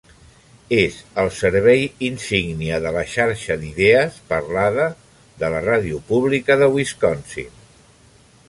És el servei insígnia de la "xarxa d'idees" parlada de la ràdio pública de Wisconsin.